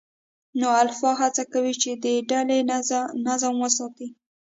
نر الفا هڅه کوي، چې د ډلې نظم وساتي.